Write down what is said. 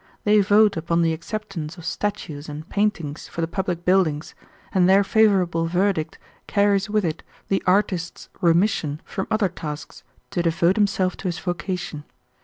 They vote upon the acceptance of statues and paintings for the public buildings, and their favorable verdict carries with it the artist's remission from other tasks to devote himself to his vocation.